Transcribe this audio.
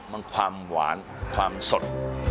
มันความหวานความสด